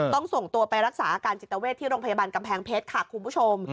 ส่งตัวไปรักษาอาการจิตเวทที่โรงพยาบาลกำแพงเพชรค่ะคุณผู้ชม